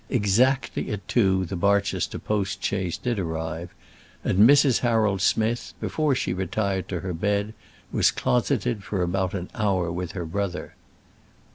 Exactly at two the Barchester post chaise did arrive, and Mrs. Harold Smith, before she retired to her bed, was closeted for about an hour with her brother.